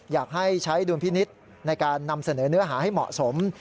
อยากให้ใช้ดุลพินิษฐ์ในการนำเสนอเนื้อหาให้เหมาะสม